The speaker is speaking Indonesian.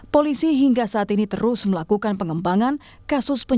polisi hingga di jember mencuri uang puluhan juta rupiah dari mobil